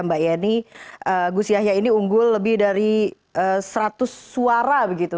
mbak yeni gus yahya ini unggul lebih dari seratus suara begitu